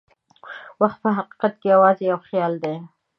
وخت په حقیقت کې یوازې یو خیال دی.